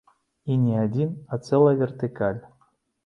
І не адзін, а цэлая вертыкаль.